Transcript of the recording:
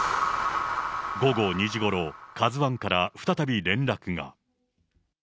午後２時ごろ、カズワンから再び連絡が。